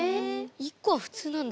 １個は普通なんだ。